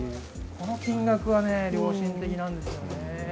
この金額は、良心的なんですよね。